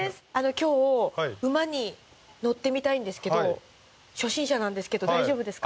きょう馬に乗ってみたいんですけど、初心者なんですけど大丈夫ですか？